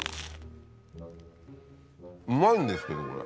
うまいんですけどこれ。